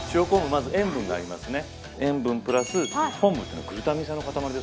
まず塩分がありますね。